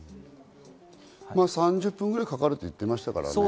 ３０分ぐらいかかると言っていましたからね。